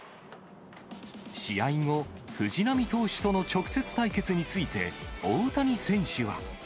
試合後、藤浪投手との直接対決について、大谷選手は。